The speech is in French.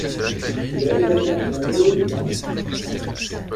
Il a également fondé la '.